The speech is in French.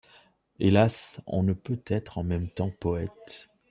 Hélas ! on ne peut être en même temps poète